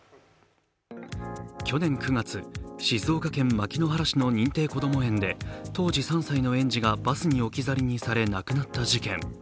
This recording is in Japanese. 去年９月、静岡県牧之原市の認定こども園で、当時３歳の園児がバスに置き去りにされ亡くなった事件。